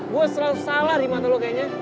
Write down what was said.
gue selalu salah di mata lo kayaknya